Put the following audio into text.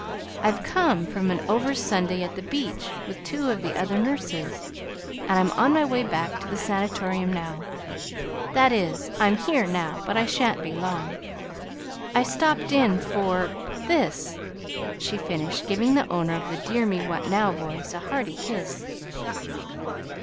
"I've come from an over Sunday at the beach with two of the other nurses, and I'm on my way back to the Sanatorium now. That is, I'm here now, but I sha'n't be long. I stepped in for this," she finished, giving the owner of the "dear me what now" voice a hearty kiss.